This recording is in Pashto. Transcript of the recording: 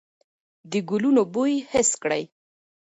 د ګلونو بوی حس کړئ.